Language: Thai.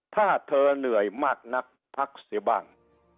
ถ้าเธอเหนื่อยมากนักพักเสียบ้าง